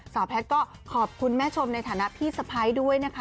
แพทย์ก็ขอบคุณแม่ชมในฐานะพี่สะพ้ายด้วยนะคะ